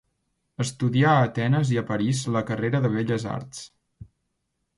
Estudià a Atenes i a París la carrera de belles arts.